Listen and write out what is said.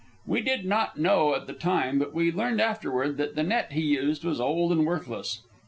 We did not know at the time, but we learned afterward, that the net he used was old and worthless.